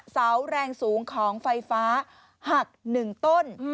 เสาแรงสูงของไฟฟ้าหัก๑ต้น